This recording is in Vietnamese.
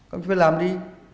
ông phải làm đi